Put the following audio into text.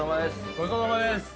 ごちそうさまです。